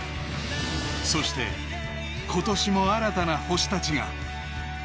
そして、今年も新たな星たちが。